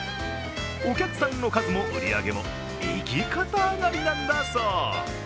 お客さんの数も売り上げも右肩上がりなんだそう。